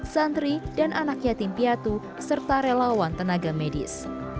santri dan anak yatim piatu serta relawan tenaga medis